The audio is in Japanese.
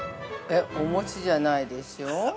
◆お餅じゃないでしょう？